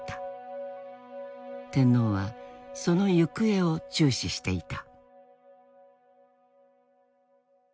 天皇はその行方を注視していた。